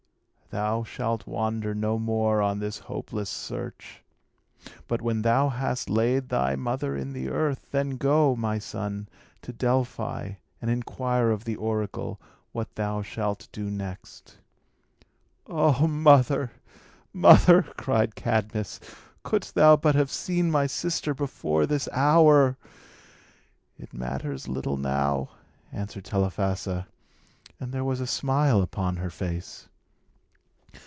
Thou shalt wander no more on this hopeless search. But when thou hast laid thy mother in the earth, then go, my son, to Delphi, and inquire of the oracle what thou shalt do next." "O mother, mother," cried Cadmus, "couldst thou but have seen my sister before this hour!" "It matters little now," answered Telephassa, and there was a smile upon her face.